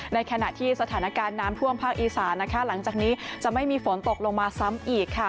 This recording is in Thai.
ในขณะที่สถานการณ์น้ำท่วมภาคอีสานนะคะหลังจากนี้จะไม่มีฝนตกลงมาซ้ำอีกค่ะ